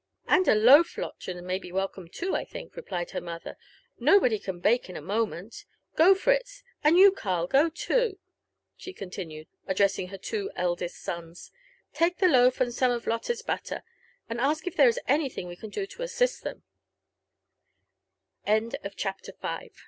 " And a loaf, Lottchen, may be welcome too, I think," replied her mother :*' nobody can bake in a moment. Go, Fritz — and you, Karl, go too," she continued, addressing her two eldest sons; '' take the loaf, and some of Lotto's butter, and ask if there is anything we can do to assist them.